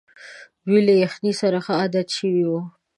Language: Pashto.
دوی له یخنۍ سره ښه عادت شوي وو.